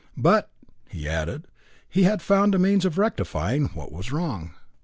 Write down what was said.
But, he added, he had found a means of rectifying what was wrong.